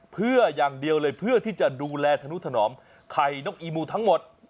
เพื่ออย่างเดียวเลยเพื่อที่จะดูแลธนุถนอมไข่นกอีมูทั้งหมด